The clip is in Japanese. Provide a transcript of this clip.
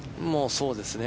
そうですね。